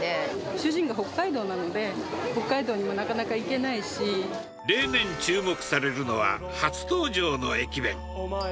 主人が北海道なので、北海道例年注目されるのは、初登場の駅弁。